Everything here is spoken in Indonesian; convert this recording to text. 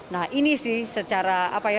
nah ini sih secara apa ya